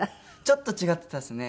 ちょっと違ってたですね。